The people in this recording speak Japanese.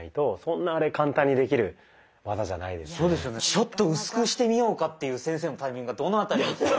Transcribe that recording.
「ちょっと薄くしてみようか」っていう先生のタイミングがどの辺りだったのか。